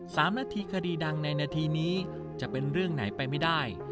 สามนาทีคดีดังในนาทีนี้จะเป็นเรื่องไหนไปไม่ได้